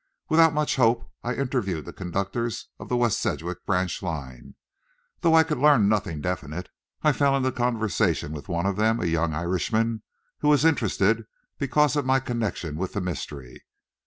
Without much hope I interviewed the conductors of the West Sedgwick Branch Line. Though I could learn nothing definite, I fell into conversation with one of them, a young Irishman, who was interested because of my connection with the mystery.